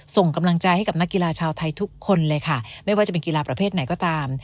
ส่งกำลังใจให้กับนักกีฬาชาวไทยทุกคนเลยค่ะไม่ว่าจะเป็นกีฬาประเภทไหนก็ตาม